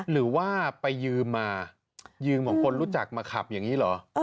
หรือว่าไปยืมมายืมของคนรู้จักมาขับอย่างนี้เหรอ